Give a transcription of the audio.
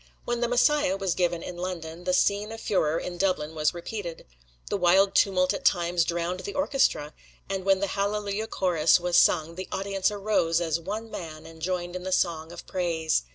When the "Messiah" was given in London, the scene of furore in Dublin was repeated. The wild tumult at times drowned the orchestra, and when the "Hallelujah Chorus" was sung, the audience arose as one man and joined in the song of praise.